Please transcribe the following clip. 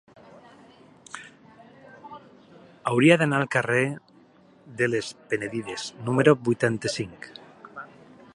Hauria d'anar al carrer de les Penedides número vuitanta-cinc.